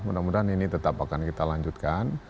mudah mudahan ini tetap akan kita lanjutkan